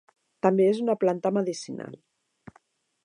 També és una planta medicinal.